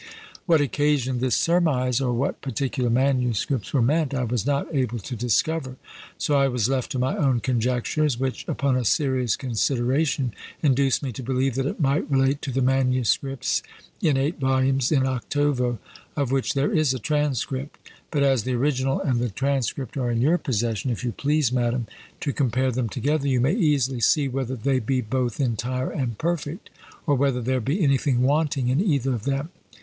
What occasioned this surmise, or what particular MSS. were meant, I was not able to discover; so I was left to my own conjectures, which, upon a serious consideration, induced me to believe that it might relate to the MSS. in eight volumes in 8vo, of which there is a transcript. But as the original and the transcript are in your possession, if you please, madam, to compare them together, you may easily see whether they be both entire and perfect, or whether there be anything wanting in either of them.